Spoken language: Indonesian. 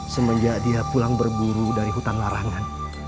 semenjak dia pulang berburu dari hutan larangan